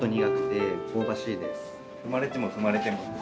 踏まれても踏まれてもって。